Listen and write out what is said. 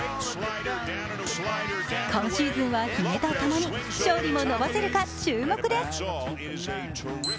今シーズンは、ひげとともに勝利も伸ばせるか注目です！